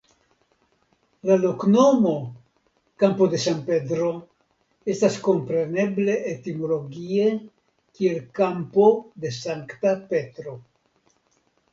La loknomo "Campo de San Pedro" estas komprenebla etimologie kiel Kampo de Sankta Petro.